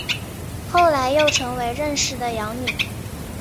后来又成为任氏的养女。